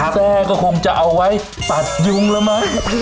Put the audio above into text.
แซ่ก็คงจะเอาไว้ตัดยุงละมั้ย